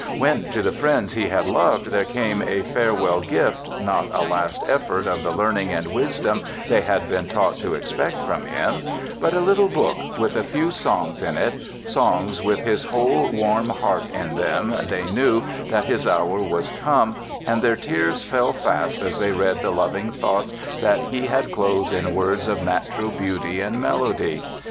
* When, to the friends he had loved, there came a fare well gift, not a last effort of the learning and wisdom they had been taught to expect from him, but a little book with a few songs in it, songs with his whole warm heart in them, they knew that his hour was come, and their tears fell fast as they read the loving thoughts that he had clothed in words of natural beauty and melody.